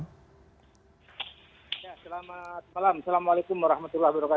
selamat malam assalamualaikum wr wb